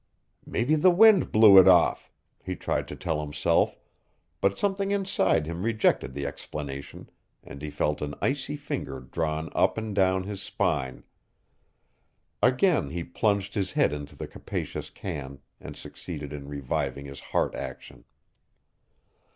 "Mebbe the wind blew it off," he tried to tell himself, but something inside him rejected the explanation and he felt an icy finger drawn up and down his spine. Again he plunged his head into the capacious can and succeeded in reviving his heart action.